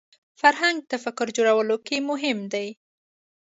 فرهنګ د تفکر جوړولو کې مهم دی